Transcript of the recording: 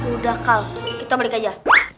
udah kal kita balik aja